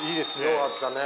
よかったね。